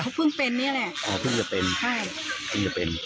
เขาเพิ่งเป็นนี่แหละอ๋อเพิ่งจะเป็นใช่เพิ่งจะเป็น